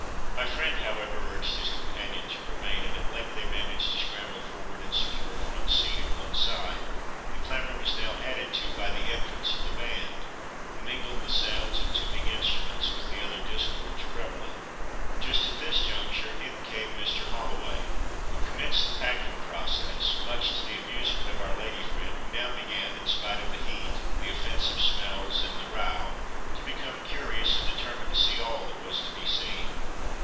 My friend, however, urged his companion to remain, and at length they managed to scramble forward, and secure a front seat at one side. The clamour was now added to by the entrance of the band, who mingled the sounds of tuning instruments with the other discords prevalent. Just at this juncture in came Mr. Holloway, who commenced the packing process, much to the amusement of our lady friend, who now began, in spite of the heat, the offensive smells, and the row, to become curious, and determined to see all that was to be seen.